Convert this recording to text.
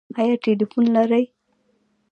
ایا ټیلیفون لرئ؟